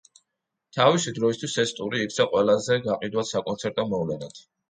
თავისი დროისთვის ეს ტური იქცა ყველაზე გაყიდვად საკონცერტო მოვლენად.